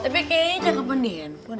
tapi kayaknya cakep an di handphone